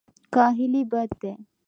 کاهلي بد دی.